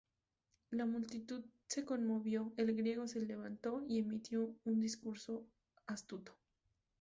La multitud se conmovió, el griego se levantó y emitió un discurso astuto.